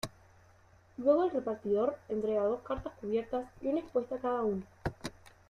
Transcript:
Luego, el repartidor entrega dos cartas cubiertas y una expuesta a cada uno.